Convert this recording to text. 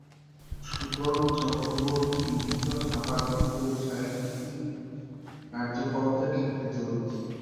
সুজন চক্রবর্তী বিভিন্ন সামাজিক এবং সাংস্কৃতিক কার্যকলাপের সাথে জড়িত।